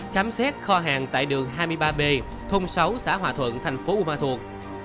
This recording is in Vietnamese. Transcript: khám xét kho hàng tại đường hai mươi ba b thôn sáu xã hòa thuận thành phố uô ma thuật